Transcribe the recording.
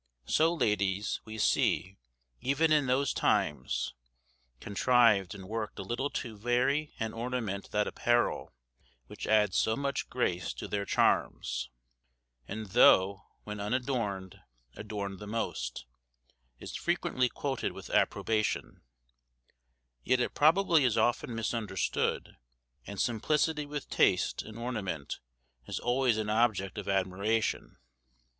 So, ladies we see, even in those times, contrived and worked a little to vary and ornament that apparel which adds so much grace to their charms; and though "when unadorned, adorned the most," is frequently quoted with approbation, yet it probably is often misunderstood, and simplicity with taste in ornament is always an object of admiration.